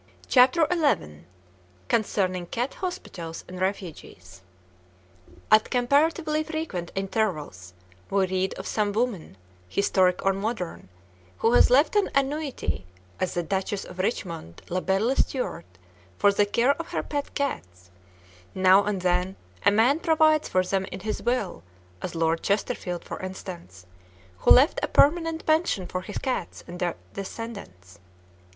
CHAPTER XI CONCERNING CAT HOSPITALS AND REFUGES At comparatively frequent intervals we read of some woman, historic or modern, who has left an annuity (as the Duchess of Richmond, "La Belle Stewart") for the care of her pet cats; now and then a man provides for them in his will, as Lord Chesterfield, for instance, who left a permanent pension for his cats and their descendants.